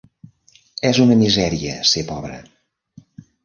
És una misèria ser pobre!